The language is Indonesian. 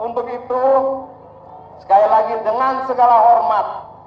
untuk itu sekali lagi dengan segala hormat